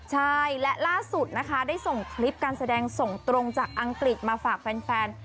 ใช่และล่าสุดนะคะได้ส่งคลิปการแสดงส่งตรงจากอังกฤษมาฝากแฟน